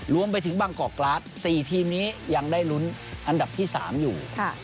รวมไปถึงบางกอกกราศ๔ทีมนี้ยังได้ลุ้นอันดับที่๓อยู่